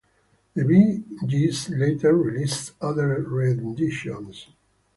The Bee Gees later released other renditions.